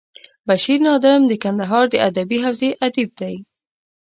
بشیر نادم د کندهار د ادبي حوزې ادیب دی.